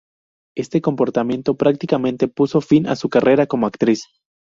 Este comportamiento prácticamente puso fin a su carrera como actriz.